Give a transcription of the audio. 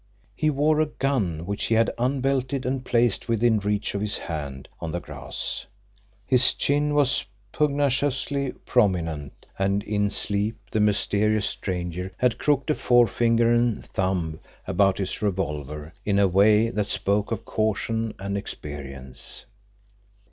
He wore a gun, which he had unbelted and placed within reach of his hand on the grass. His chin was pugnaciously prominent, and in sleep the mysterious stranger had crooked a forefinger and thumb about his revolver in a way that spoke of caution and experience.